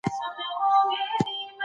غیرپښتنو قومونو احساسات تحریکوي.